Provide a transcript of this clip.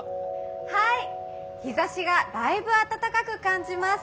はい日ざしがだいぶ暖かく感じます。